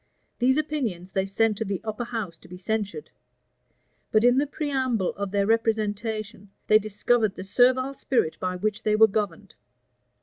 These opinions they sent to the upper house to be censured; but in the preamble of their representation, they discovered the servile spirit by which they were governed.